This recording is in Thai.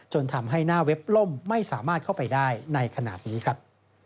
ทำให้หน้าเว็บล่มไม่สามารถเข้าไปได้ในขณะนี้ครับ